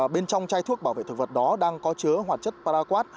bên trong chai thuốc bảo vệ thực vật đó đang có chứa hoạt chất paraquad